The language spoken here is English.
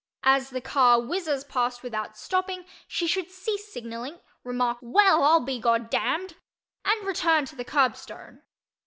As the car whizzes past without stopping she should cease signalling, remark "Well I'll be God damned!" and return to the curbstone.